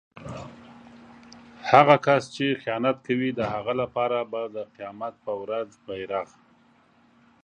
هغه کس چې خیانت کوي د هغه لپاره به د قيامت په ورځ بیرغ